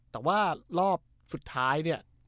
แต่ว่ารอบสุดท้ายเนี่ย